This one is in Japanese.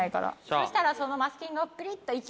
そしたらそのマスキングをペリっと勢いよく。